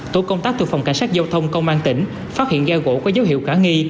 tổ công tác thuộc phòng cảnh sát giao thông công an tỉnh phát hiện ghe gỗ có dấu hiệu khả nghi